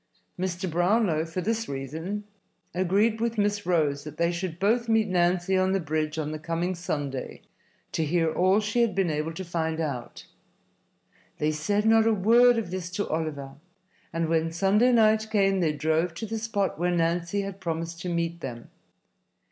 Mr. Brownlow, for this reason, agreed with Miss Rose that they should both meet Nancy on the bridge on the coming Sunday to hear all she had been able to find out. They said not a word of this to Oliver, and when Sunday night came they drove to the spot where Nancy had promised to meet them.